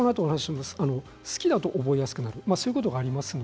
好きだと覚えやすくなるということがあります。